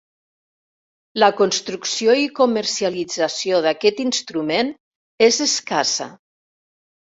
La construcció i comercialització d'aquest instrument és escassa.